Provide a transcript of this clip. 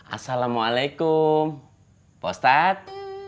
assalamualaikum pak ustadz